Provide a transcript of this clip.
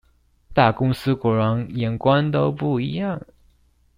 大公司果然眼光都不一樣啊！